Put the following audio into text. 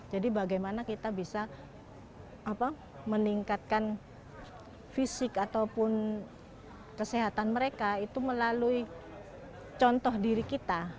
jadi bagaimana kita bisa meningkatkan fisik ataupun kesehatan mereka itu melalui contoh diri kita